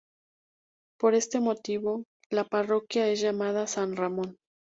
Por este motivo la parroquia es llamada San Román.